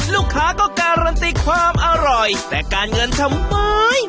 ลูกค้าก็การันตีความอร่อยแต่การเงินทำไม